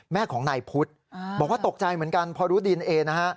แม่ของนายพุทธบอกว่าตกใจเหมือนกันพอรู้ดีเอนเอนะฮะ